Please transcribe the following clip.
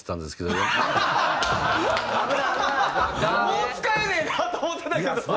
もう使えねえなと思ってたけど。